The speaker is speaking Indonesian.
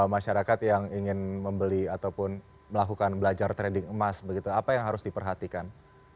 masyarakat yang ingin membeli ataupun melakukan belajar trading emas begitu apa yang harus diperhatikan